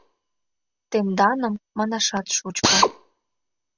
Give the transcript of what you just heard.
— Тенданым, манашат шучко...